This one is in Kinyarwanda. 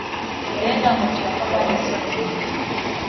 Mbega ngo turakorwa n isoni